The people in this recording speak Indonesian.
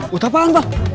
gue tak paham pak